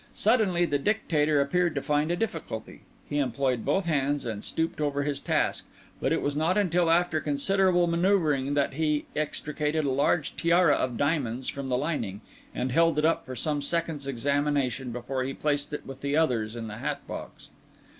Suddenly the Dictator appeared to find a difficulty; he employed both hands and stooped over his task; but it was not until after considerable manoeuvring that he extricated a large tiara of diamonds from the lining, and held it up for some seconds' examination before he placed it with the others in the hat box.